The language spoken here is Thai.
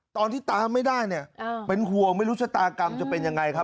ตอนที่ตามไม่ได้เนี่ยเป็นห่วงไม่รู้ชะตากรรมจะเป็นยังไงครับ